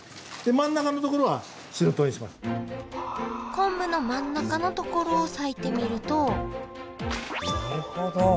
昆布の真ん中のところを割いてみるとなるほど！